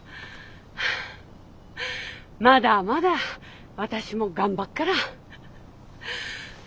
まだまだ私も頑張っから。